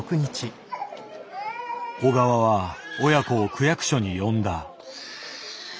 小川は親子を区役所に呼んだ。